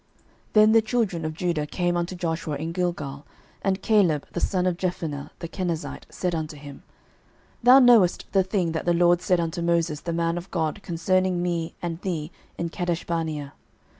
06:014:006 Then the children of Judah came unto Joshua in Gilgal: and Caleb the son of Jephunneh the Kenezite said unto him, Thou knowest the thing that the LORD said unto Moses the man of God concerning me and thee in Kadeshbarnea.